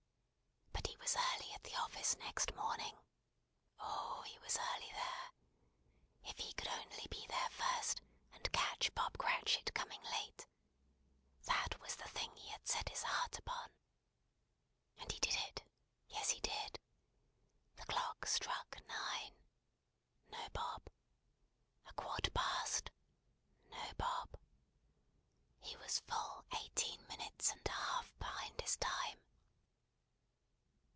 But he was early at the office next morning. Oh, he was early there. If he could only be there first, and catch Bob Cratchit coming late! That was the thing he had set his heart upon. And he did it; yes, he did! The clock struck nine. No Bob. A quarter past. No Bob. He was full eighteen minutes and a half behind his time.